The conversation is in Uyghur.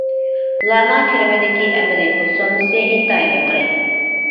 ئۇلارنىڭ كىرىمىدىكى ئەمەلىي پۇل سوممىسى ئىنتايىن يۇقىرى.